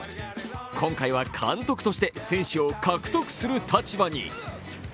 今回は監督として選手を獲得する立場に。